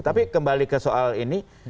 tapi kembali ke soal ini